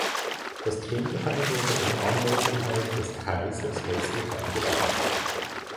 Das Kinderheim wurde in Anwesenheit des Kaisers festlich eingeweiht.